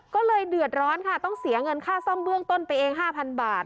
ก็เลยเดือดร้อนค่ะต้องเสียเงินค่าซ่อมเบื้องต้นไปเอง๕๐๐บาท